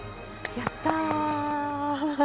やった！